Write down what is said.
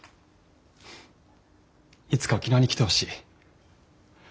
いつか沖縄に来てほしい。